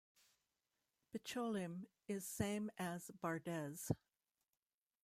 Bicholim is same as Bardez.